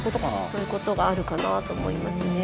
そういうことがあるかなと思いますね。